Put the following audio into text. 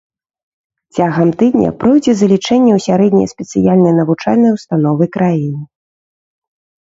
Цягам тыдня пройдзе залічэнне ў сярэднія спецыяльныя навучальныя ўстановы краіны.